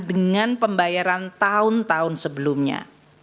dengan pembayaran tahun tahun sebelumnya